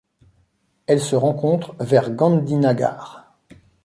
Elle se rencontre vers Gandhinagar.